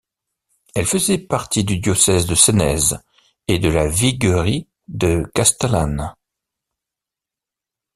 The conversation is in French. Elle faisait partie du diocèse de Senez et de la viguerie de Castellane.